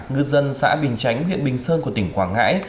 ngư dân xã bình chánh huyện bình sơn của tỉnh quảng ngãi